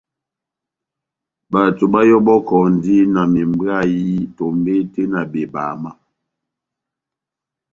Bato bayɔbɔkɔndi na membwayï tombete na bebama.